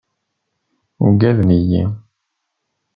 Ugaden-iyi.